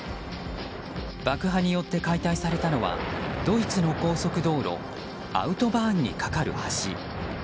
爆破によって解体されたのはドイツの高速道路アウトバーンにかかる橋。